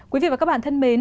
quý vị và các bạn thân mến